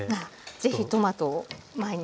是非トマトを毎日。